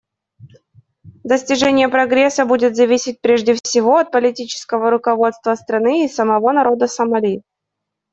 Достижение прогресса будет зависеть, прежде всего, от политического руководства страны и самого народа Сомали.